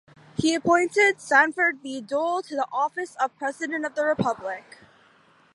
He appointed Sanford B. Dole to the office of President of the Republic.